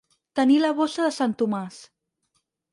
Tenir la bossa de sant Tomàs.